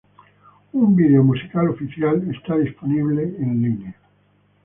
Un video musical oficial está disponible en línea.